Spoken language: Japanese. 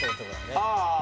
ああ。